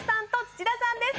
土田さん